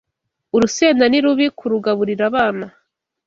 Urusenda ni rubi kurugaburira abana